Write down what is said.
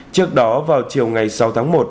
trước đó vào chiều ngày sáu tháng một